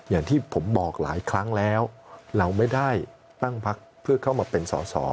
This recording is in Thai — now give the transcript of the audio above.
อย่างที่ผมบอกหลายครั้งแล้วเราไม่ได้ตั้งพักเพื่อเข้ามาเป็นสอสอ